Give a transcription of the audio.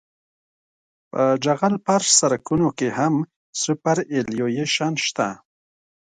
په جغل فرش سرکونو کې هم سوپرایلیویشن شته